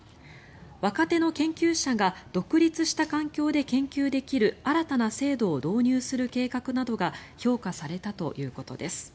若手の研究者が独立した環境で研究できる新たな制度を導入する計画などが評価されたということです。